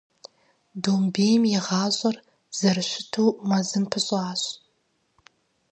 Домбейм и гъащӏэр зэрыщыту мэзым пыщӏащ.